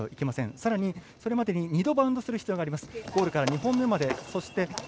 さらにそれまでに２度バウンドさせる必要があります。